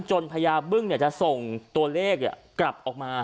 พญาบึ้งจะส่งตัวเลขกลับออกมา